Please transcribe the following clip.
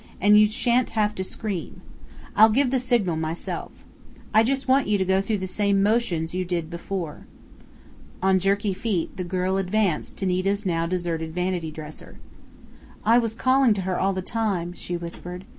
And you shan't have to scream. I'll give the signal myself. I just want you to go through the same motions you did before." On jerky feet the girl advanced to Nita's now deserted vanity dresser. "I I was calling to her all the time," she whispered.